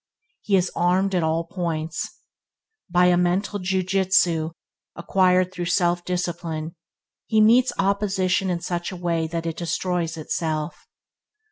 He is "armed at all points". By a mental Ju Jitsu acquired through self discipline, he meets opposition in such a way that it destroys itself.